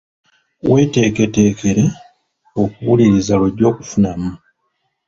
Weeteeketeekere okuwuliriza lw'ojja okufunamu.